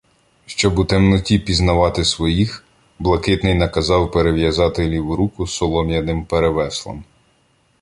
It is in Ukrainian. Щоб у темноті пізнавати своїх, Блакитний наказав перев'язати ліву руку солом'яним перевеслом.